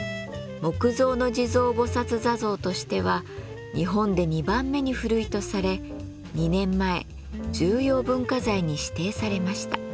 木造の地蔵菩薩坐像としては日本で２番目に古いとされ２年前重要文化財に指定されました。